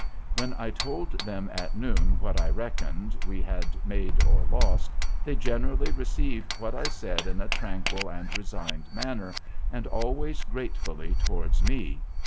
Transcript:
When I told them at noon, what I reckoned we had made or lost, they generally received what I said in a tranquil and resigned manner, and always gratefully towards me.